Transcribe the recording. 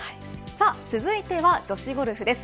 続いては女子ゴルフです。